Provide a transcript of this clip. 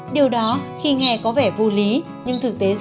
điều đó khi nghe có vẻ vô lý nhưng thực tế